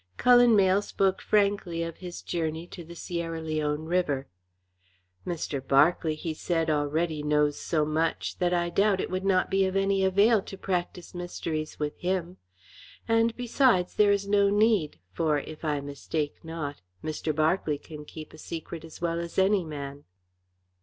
Cullen Mayle spoke frankly of his journey to the Sierra Leone River. "Mr. Berkeley," he said, "already knows so much, that I doubt it would not be of any avail to practise mysteries with him. And besides there is no need, for, if I mistake not, Mr. Berkeley can keep a secret as well as any man."